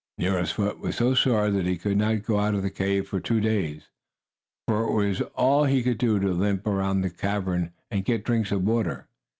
Nero's foot was so sore that he could not go out of the cave for two days, for it was all he could do to limp around in the cavern and get drinks of water.